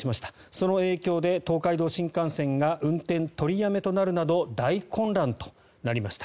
その影響で東海道新幹線が運転取りやめとなるなど大混乱となりました。